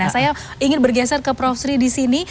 saya ingin bergeser ke prof sri di sini